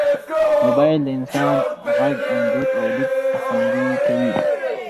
موبایل د انسان غږ، انځور، او لیک خوندي کوي.